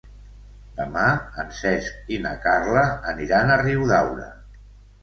Demà en Cesc i na Carla aniran a Riudaura.